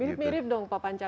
mirip mirip dong pak panca